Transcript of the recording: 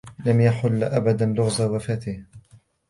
لم يُحل أبدا لغز وفاتها.